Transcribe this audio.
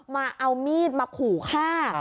มาเอามีดมาขู่ฆ่า